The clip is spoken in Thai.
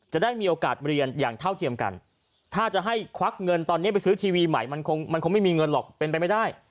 จะได้มีโอกาสเรียนอย่างเท่าเทียมกันถ้าจะให้ควักเงินตอนนี้ไปซื้อทีวีใหม่มันคงมันคงไม่มีเงินหรอกเป็นไปไม่ได้